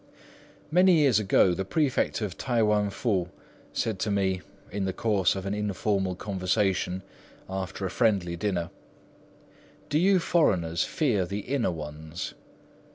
Many years ago the prefect of T'ai wan Fu said to me, in the course of an informal conversation after a friendly dinner, "Do you foreigners fear the inner ones?"